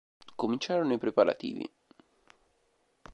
Cominciarono i preparativi.